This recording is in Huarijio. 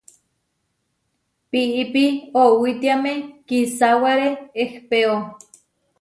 Piipi owítiame kisáware ehpéo.